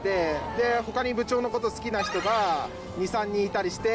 で他に部長のこと好きな人が２３人いたりして。